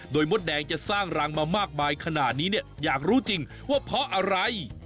โดยมดแดงจะสร้างรังมามากมายขนาดนี้เนี่ยอยากรู้จริงว่าเพราะอะไร